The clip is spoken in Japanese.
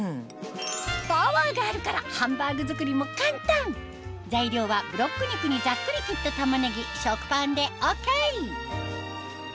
パワーがあるからハンバーグ作りも簡単材料はブロック肉にざっくり切った玉ねぎ食パンでＯＫ